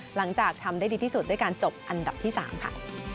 หลังจากทำได้ดีที่สุดด้วยการจบอันดับที่๓ค่ะ